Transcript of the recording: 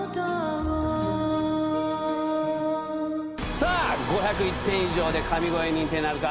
さあ、５０１点以上で神声認定なるか。